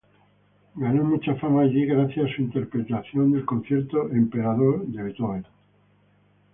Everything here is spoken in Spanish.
Ganó mucha fama allí gracias a su interpretación del concierto" "Emperador" de "Beethoven.